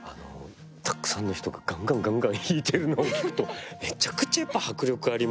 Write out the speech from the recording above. たくさんの人がガンガンガンガン弾いてるのを聴くとめちゃくちゃやっぱり迫力ありますし。